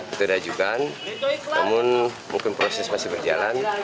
itu ada juga kan namun mungkin proses masih berjalan